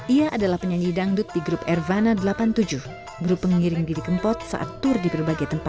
ia adalah penyanyi dangdut di grup ervana delapan puluh tujuh grup pengiring didi kempot saat tur di berbagai tempat